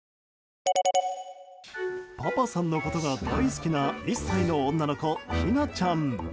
パパさんのことが大好きな１歳の女の子、ひなちゃん。